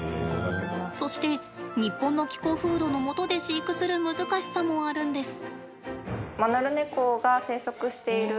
そして日本の気候風土のもとで飼育する難しさもあるんです。